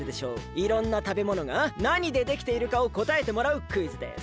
いろんなたべものが何でできているかをこたえてもらうクイズです！